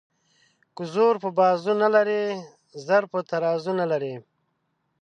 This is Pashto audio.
ـ که زور په بازو نه لري زر په ترازو نه لري.